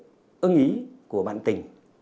không được ưng ý của bạn tình